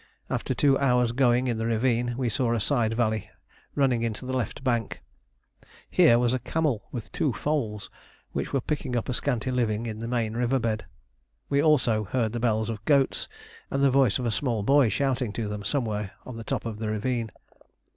After two hours' going in the ravine we saw a side valley running into the left bank. Here was a camel with two foals, which were picking up a scanty living in the main river bed. We also heard the bells of goats and the voice of a small boy shouting to them somewhere on the top of the ravine.